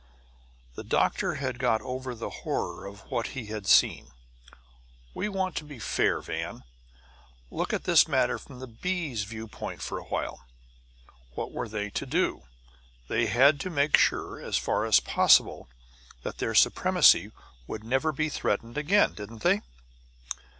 The doctor had got over the horror of what he had seen. "We want to be fair, Van. Look at this matter from the bees' view point for awhile. What were they to do? They had to make sure, as far as possible, that their supremacy would never be threatened again. Didn't they?"